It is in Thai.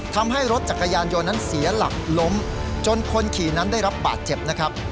ทำให้รถจักรยานยนต์นั้นเสียหลักล้มจนคนขี่นั้นได้รับบาดเจ็บนะครับ